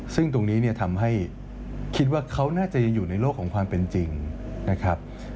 ซึ่งตรงนี้เนี่ยทำให้คิดว่าเขาน่าจะอยู่ในโลกของความเป็นจริงนะครับ